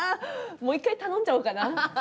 もう一回頼んじゃおうかな？